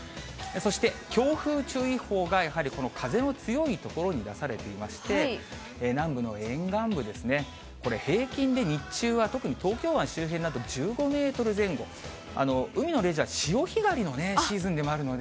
そして強風注意報がやはりこの風の強い所に出されていまして、南部の沿岸部ですね、これ、平均で日中は特に東京湾周辺など、１５メートル前後、海のレジャー、潮干狩りのね、シーズンでもあるので。